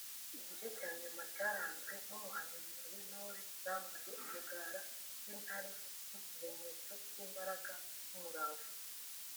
Igice cya nyuma cyaranzwe n’umuhamirizo w’Intore zambaye umugara w’intare nk’ikimenyetso cy’imbaraga n’umurava